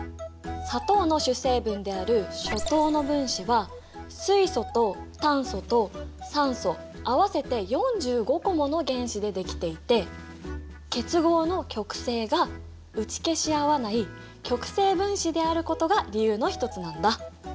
砂糖の主成分であるショ糖の分子は水素と炭素と酸素合わせて４５個もの原子でできていて結合の極性が打ち消し合わない極性分子であることが理由のひとつなんだ。